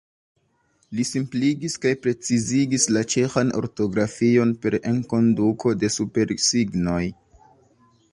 Li simpligis kaj precizigis la ĉeĥan ortografion per enkonduko de supersignoj.